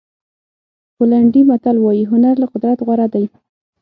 پولنډي متل وایي هنر له قدرت غوره دی.